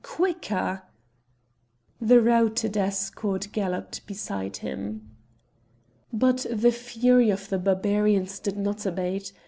quicker!" The routed escort galloped beside him. But the fury of the Barbarians did not abate.